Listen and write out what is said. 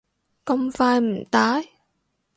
咁快唔戴？